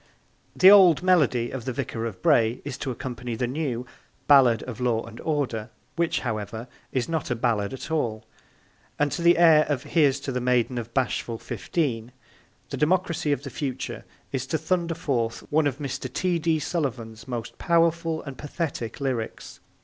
the old melody of The Vicar of Bray is to accompany the new Ballade of Law and Order which, however, is not a ballade at all and to the air of Here's to the Maiden of Bashful Fifteen the democracy of the future is to thunder forth one of Mr. T. D. Sullivan's most powerful and pathetic lyrics.